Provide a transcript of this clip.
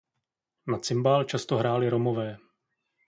Na cimbál často hráli Romové.